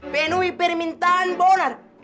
penuhi permintaan bonar